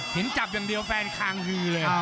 เห็นจับอย่างเดียวแฟนคางฮือเลย